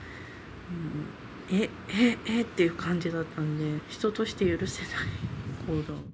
いう感じだったんで、人として許せない行動。